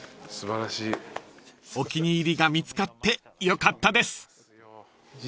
［お気に入りが見つかってよかったです］